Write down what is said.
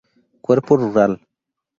Cuerpo Rural.